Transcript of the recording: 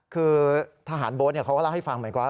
คือทหารโบ๊ทเขาก็เล่าให้ฟังเหมือนกันว่า